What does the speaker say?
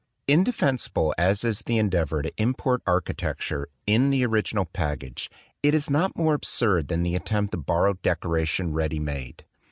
II INDEFENSIBLE as is the endeavor to import architecture "in the original package," it is not more absurd than the attempt to borrow deco ration ready made.